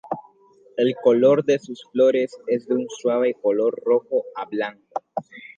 El color de sus flores es de un suave color rojo a blanco.